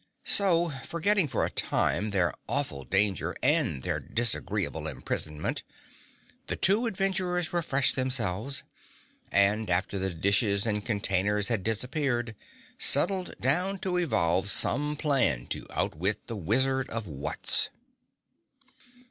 So, forgetting for a time their awful danger and their disagreeable imprisonment, the two adventurers refreshed themselves, and after the dishes and containers had disappeared, settled down to evolve some plan to outwit the Wizard of Wutz.